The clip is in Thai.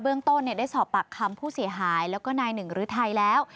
เรื่องต้นได้สอบปากคำผู้เสียหายแล้วก็นายหนึ่งฤทัยแล้ว